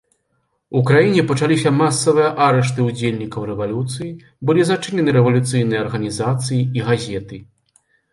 У краіне пачаліся масавыя арышты ўдзельнікаў рэвалюцыі, былі зачынены рэвалюцыйныя арганізацыі і газеты.